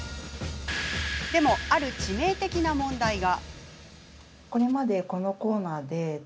でも、ある致命的な問題が。